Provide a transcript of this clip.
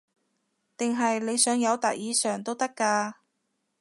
定係你想友達以上都得㗎